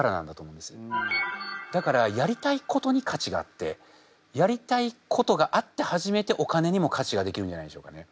だからやりたいことに価値があってやりたいことがあって初めてお金にも価値ができるんじゃないでしょうかね。